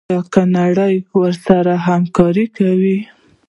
آیا که نړۍ ورسره همکاري وکړي؟